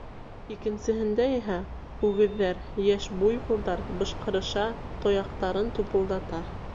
Икенсеһендә иһә — үгеҙҙәр: йәш буйволдар бышҡырыша, тояҡтарын тупылдата.